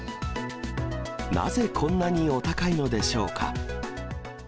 なぜこんなにお高いのでしょうか。